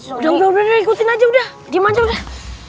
udah udah udah ikutin aja udah